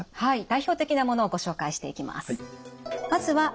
代表的なものをご紹介していきます。